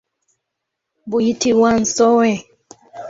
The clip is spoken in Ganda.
Buyitibwa nsowe.